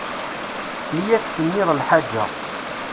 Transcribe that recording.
Mi as-tenniḍ lḥaǧa.